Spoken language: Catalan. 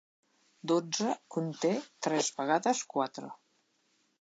Dotze conté tres vegades quatre.